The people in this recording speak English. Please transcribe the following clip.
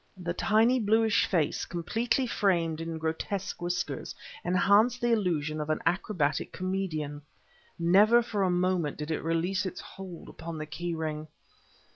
The tiny, bluish face, completely framed in grotesque whiskers, enhanced the illusion of an acrobatic comedian. Never for a moment did it release its hold upon the key ring.